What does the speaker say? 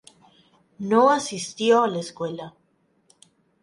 No asistió a la escuela.